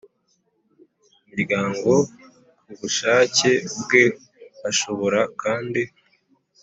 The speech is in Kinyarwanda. Muryango ku bushake bwe ashobora kandi